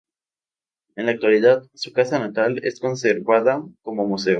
En la actualidad, su casa natal es conservada como museo.